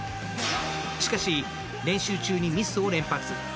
しかし練習中にミスを連発。